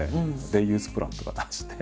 デイユースプランとか出して。